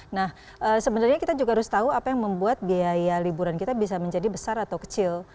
nah sebenarnya kita juga harus tahu apa yang membuat biaya liburan kita bisa menjadi besar atau kecil